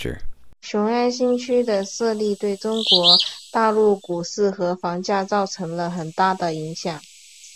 雄安新区的设立对中国大陆股市和房价造成了很大的影响。